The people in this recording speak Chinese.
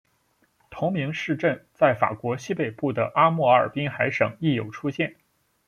同名市镇在法国西北部的阿摩尔滨海省亦有出现。